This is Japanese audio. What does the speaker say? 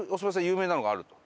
有名なのがあると。